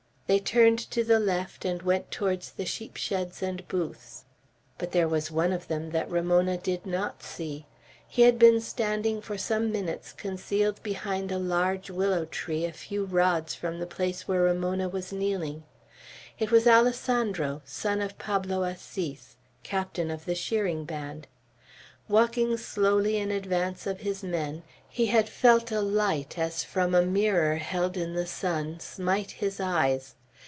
They turned to the left, and went towards the sheep sheds and booths. But there was one of them that Ramona did not see. He had been standing for some minutes concealed behind a large willow tree a few rods from the place where Ramona was kneeling. It was Alessandro, son of Pablo Assis, captain of the shearing band. Walking slowly along in advance of his men, he had felt a light, as from a mirror held in the sun, smite his eyes.